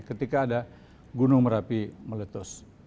ketika ada gunung merapi meletus